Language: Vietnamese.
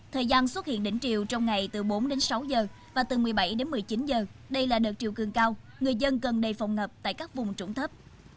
thời gian xuất hiện đỉnh triều trong ngày từ bốn đến sáu giờ và từ một mươi bảy đến một mươi chín giờ đây là đợt triều cường cao người dân cần đề phòng ngập tại các vùng trũng thấp